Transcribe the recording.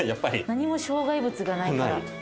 何も障害物がないから。